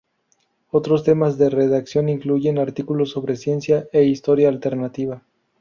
Otros temas de redacción incluyen artículos sobre ciencia e historia alternativa.